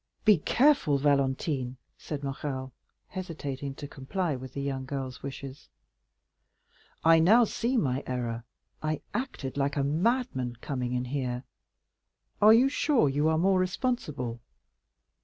"Be careful, Valentine," said Morrel, hesitating to comply with the young girl's wishes; "I now see my error—I acted like a madman in coming in here. Are you sure you are more reasonable?"